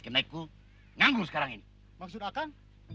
karenaku nganggur sekarang ini maksud akan